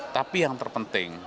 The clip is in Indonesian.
tapi yang terpenting